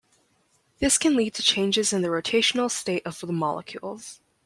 This can lead to changes in the rotational state of the molecules.